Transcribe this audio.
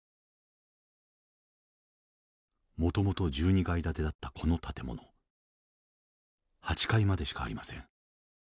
もともと１２階建てだったこの建物８階までしかありません。